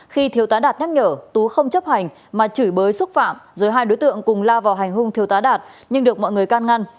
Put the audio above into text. khi thiếu tá đạt nhắc nhở tú không chấp hành mà chửi bới xúc phạm rồi hai đối tượng cùng lao vào hành hung thiêu tá đạt nhưng được mọi người can ngăn